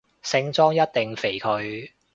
聖莊一定肥佢